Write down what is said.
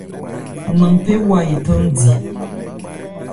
Nanphé wa ethándi.